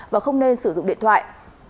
và không nên sử dụng điện thoại